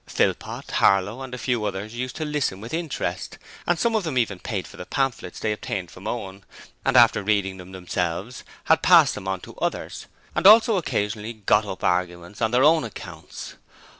Philpot, Harlow and a few others used to listen with interest, and some of them even paid for the pamphlets they obtained from Owen, and after reading them themselves, passed them on to others, and also occasionally 'got up' arguments on their own accounts.